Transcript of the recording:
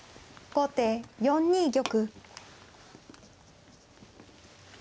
後手３二玉。